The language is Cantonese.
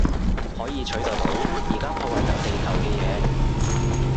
可以取代到而家破壞緊地球嘅嘢